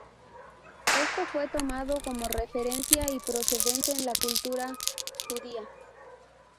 Esto fue tomado como referencia y precedente en la cultura judía.